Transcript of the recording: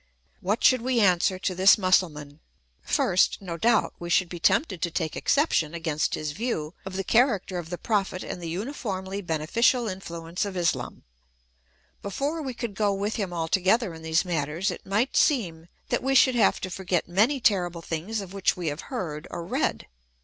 What should we answer to this Mussulman ? First, no doubt, we should be tempted to take exception against his view of the character of the Prophet and the uniformly beneficial influence of Islam : before we could go with him altogether in these matters it might seem that we should have to forget many terrible things of which we have heard or read.